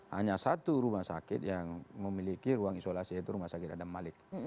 hanya satu rumah sakit yang memiliki ruang isolasi yaitu rumah sakit adam malik